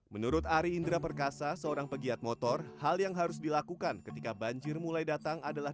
menurut ari indra perkasa seorang pegiat motor hal yang harus dilakukan ketika banjir mulai datang adalah